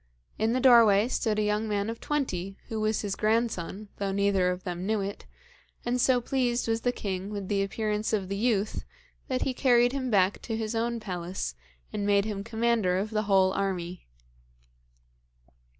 In the doorway stood a young man of twenty, who was his grandson, though neither of them knew it, and so pleased was the king with the appearance of the youth, that he carried him back to his own palace, and made him commander of the whole army.